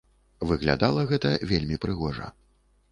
Выглядала гэта вельмі прыгожа.